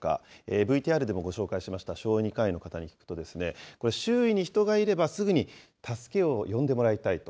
ＶＴＲでもご紹介しました小児科医の方に聞くと、周囲に人がいれば、すぐに助けを呼んでもらいたいと。